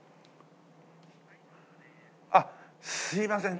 あっすみません